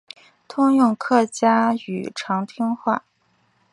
通用客家语长汀话。